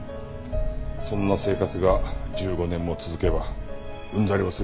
そんな生活が１５年も続けばうんざりもするよな。